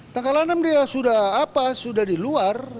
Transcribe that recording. tanggal enam dia sudah apa sudah di luar